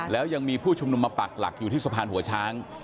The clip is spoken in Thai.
แล้วยังมีผู้ชุมนุมมาปักหลักอยู่ที่สะพานหัวช้าง